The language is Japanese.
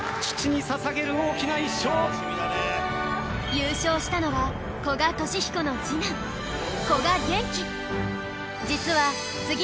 優勝したのは古賀稔彦の次男古賀玄暉